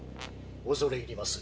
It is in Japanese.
恐れ入ります。